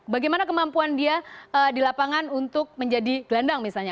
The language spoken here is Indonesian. bagaimana kemampuan dia di lapangan untuk menjadi gelandang misalnya